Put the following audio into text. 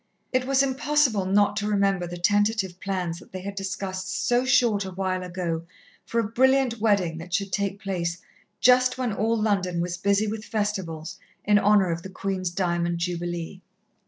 It was impossible not to remember the tentative plans that they had discussed so short a while ago for a brilliant wedding that should take place, just when all London was busy with festivals in honour of the Queen's Diamond Jubilee.